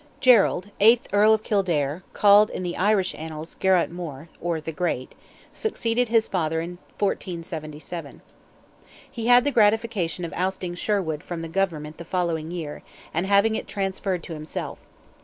Gerald, eighth Earl of Kildare (called in the Irish Annals Geroit More, or "the Great"), succeeded his father in 1477. He had the gratification of ousting Sherwood from the government the following year, and having it transferred to himself.